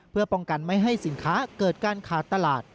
เพื่อป้องกันไม่ให้สินค้าเกิดการขาดตลาด